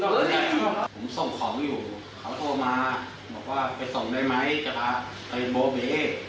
แรกผมส่งของอยู่เขาโทรมาบอกว่าไปส่งได้ไหมจะพาไปโบเบส